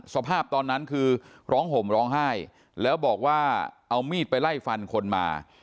สภาพตอนนั้นคือร้องห่มร้องไห้แล้วบอกว่าเอามีดไปไล่ฟันคนมา